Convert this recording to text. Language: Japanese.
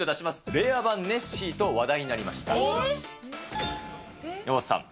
令和版ネッシーと話題になりました。